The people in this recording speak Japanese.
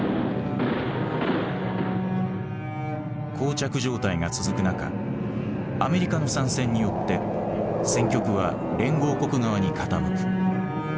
膠着状態が続く中アメリカの参戦によって戦局は連合国側に傾く。